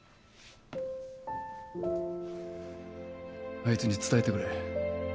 あいつに伝えてくれ。